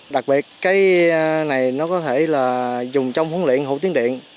đặc biệt cái này nó có thể là dùng trong huấn luyện hủ tiếng điện